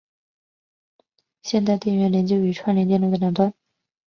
现将电源连接于这串联电路的两端。